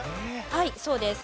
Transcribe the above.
はいそうです。